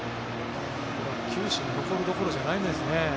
球史に残るどころじゃないですね。